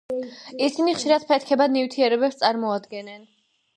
ისინი ხშირად ფეთქებად ნივთიერებებს წარმოადგენენ.